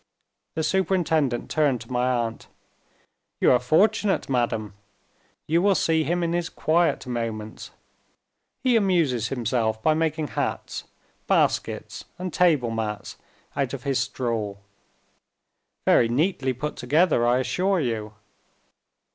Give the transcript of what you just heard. The superintendent turned to my aunt. "You are fortunate, madam you will see him in his quiet moments. He amuses himself by making hats, baskets, and table mats, out of his straw. Very neatly put together, I assure you.